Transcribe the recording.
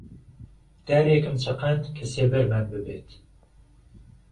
دارێکم چەقاند کە سێبەرمان ببێت